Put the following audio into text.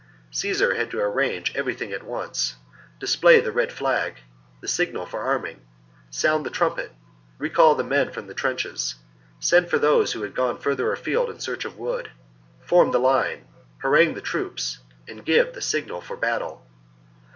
20. Caesar had to arrange everything at once, — Battieonthe display the red flag, the signal for arming ; sound the trumpet ; recall the men from the trenches ; send for those who had gone further afield in search of wood ; form the line ; harangue the troops ; and give the signal for battle.